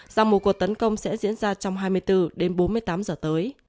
rằng một cuộc tấn công sẽ diễn ra trong hai mươi bốn đến bốn mươi tám giờ tới